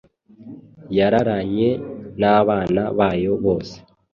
Yararanye nabana bayo bose